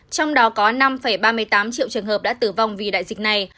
trong đó có năm ba mươi tám triệu trường hợp đã tử vong vì đại dịch này